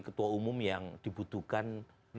ketua umum yang dibutuhkan